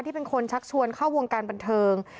เป็นคนชักชวนเข้าวงการบันเทิง